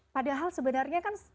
padahal sebenarnya kan